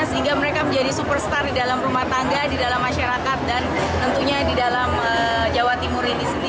sehingga mereka menjadi superstar di dalam rumah tangga di dalam masyarakat dan tentunya di dalam jawa timur ini sendiri